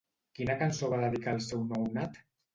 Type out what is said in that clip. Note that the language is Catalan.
Quina cançó va dedicar al seu nounat?